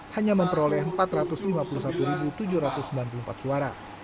hanya memperoleh empat ratus lima puluh satu tujuh ratus sembilan puluh empat suara